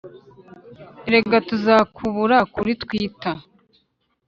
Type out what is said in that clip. erega tuzakubura kuri twita